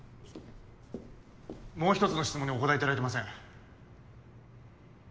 もう１つの質問にお答えいただいてません。